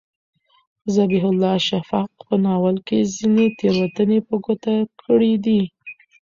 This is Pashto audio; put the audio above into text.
ذبیح الله شفق په ناول کې ځینې تېروتنې په ګوته کړي دي.